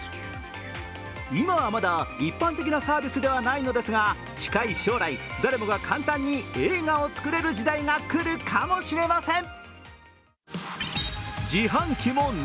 今はまだ一般的なサービスではないのですが、近い将来、誰もが簡単に映画を作れる時代が来るかもしれません。